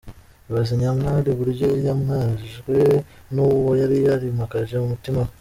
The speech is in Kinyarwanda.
Ibaze Nyamwari uburyo yamwajwe nuwo yari yarimakaje mu mutima we?.